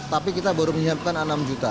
tapi kita baru menyiapkan